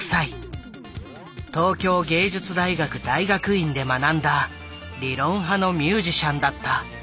東京藝術大学大学院で学んだ理論派のミュージシャンだった。